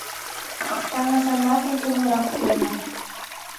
Таҥасымашым кужунрак шуена.